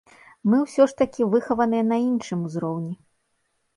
Мы ўсё ж такі выхаваныя на іншым узроўні.